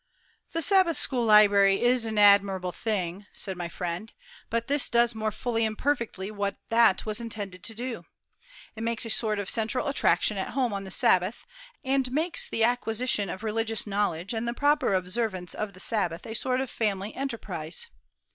"The Sabbath school library is an admirable thing," said my friend; "but this does more fully and perfectly what that was intended to do. It makes a sort of central attraction at home on the Sabbath, and makes the acquisition of religious knowledge and the proper observance of the Sabbath a sort of family enterprise.